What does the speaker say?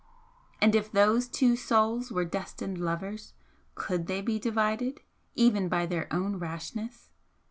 And if those two souls were destined lovers, COULD they be divided, even by their own rashness?